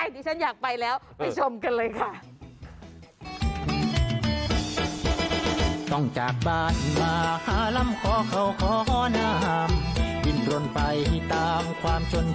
ดิฉันอยากไปแล้วไปชมกันเลยค่ะ